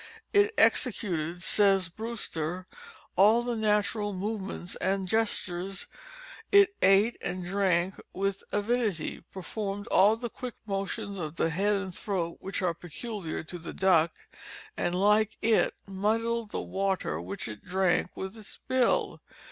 It executed, says Brewster, all the natural movements and gestures, it ate and drank with avidity, performed all the quick motions of the head and throat which are peculiar to the duck, and like it muddled the water which it drank with its bill.